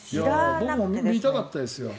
僕も見たかったですよ。